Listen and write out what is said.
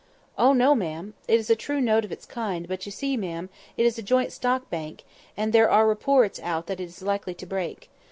"Oh, no, ma'am. It is a true note of its kind; but you see, ma'am, it is a joint stock bank, and there are reports out that it is likely to break.